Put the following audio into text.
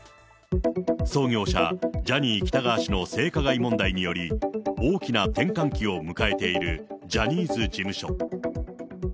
創業者、ジャニー喜多川氏の性加害問題により、大きな転換期を迎えているジャニーズ事務所。